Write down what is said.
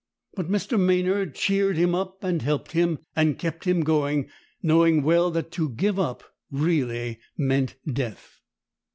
But Mr. Maynard cheered him up and helped him, and kept him going, knowing well that to give up really meant death.